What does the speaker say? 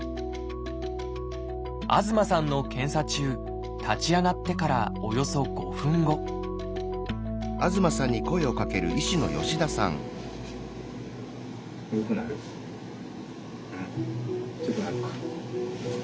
東さんの検査中立ち上がってからおよそ５分後ちょっとなろうか。